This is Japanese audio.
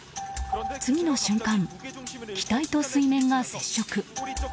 次の瞬間、機体と水面が接触。